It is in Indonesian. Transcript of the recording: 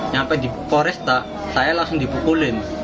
sampai di koresta saya langsung dibukulin